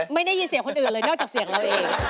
ไม่ได้ยินเสียงคนอื่นเลยนอกจากเสียงเราเอง